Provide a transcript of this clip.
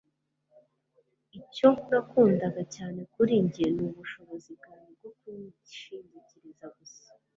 icyo nakundaga cyane kuri njye ni ubushobozi bwanjye bwo kunyishingikiriza gusa